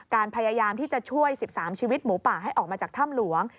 พยายามที่จะช่วย๑๓ชีวิตหมูป่าให้ออกมาจากถ้ำหลวง